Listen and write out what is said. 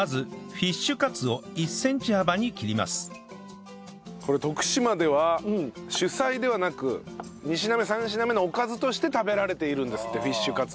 まずこれ徳島では主菜ではなく２品目３品目のおかずとして食べられているんですってフィッシュカツ。